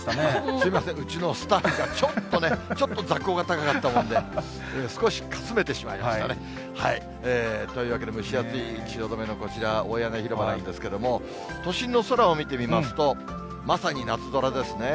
すみません、うちのスタッフがちょっとね、ちょっと座高が高かったもんで、少しかすめてしまいましたね。というわけで、蒸し暑い汐留のこちら、大屋根広場なんですけれども、都心の空を見てみますと、まさに夏空ですね。